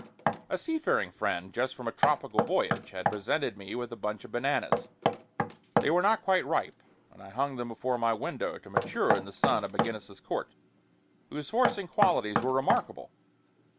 A seafaring friend just from a tropical voyage had presented me with a bunch of bananas. They were not quite ripe, and I hung them before my window to mature in the sun of McGinnis's Court, whose forcing qualities were remarkable.